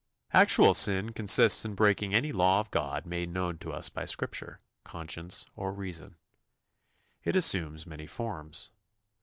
" Actual sin consists in breaking any law of God made known to us by Scripture, conscience, or reason. It assumes many forms.